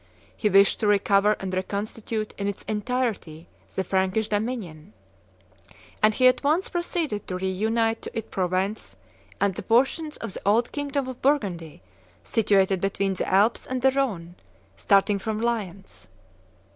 He wished to recover and reconstitute in its entirety the Frankish dominion; and he at once proceeded to reunite to it Provence and the portions of the old kingdom of Burgundy situated between the Alps and the Rhone, starting from Lyons.